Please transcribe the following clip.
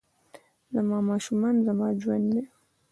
زما ماشومان زما ژوند دي